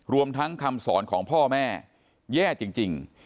รวมทั้งคำสอนของพ่อแม่แย่จริง